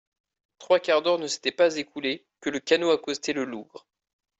Trois quarts d'heure ne s'étaient pas écoulés que le canot accostait le lougre.